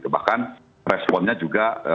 bahkan responnya juga